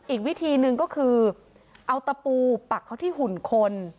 อีกวิธีหนึ่งก็คือเอาตะปูปักเขาที่หุ่นคน